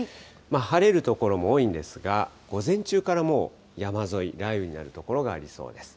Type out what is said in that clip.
晴れる所も多いんですが、午前中からもう山沿い、雷雨になる所がありそうです。